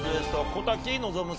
小瀧望さん